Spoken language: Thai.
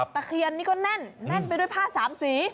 ตะเคียนนี่ก็แน่นแน่นไปด้วยผ้าสามสี